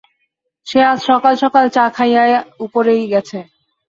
সে আজ সকাল-সকাল চা খাইয়া উপরেই গেছে।